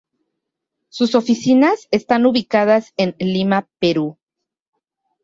Sus Oficinas están ubicadas en Lima, Perú.